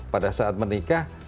pada saat menikah